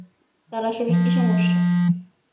তার আসলে কী সমস্যা?